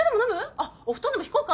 あっお布団でも敷こうか？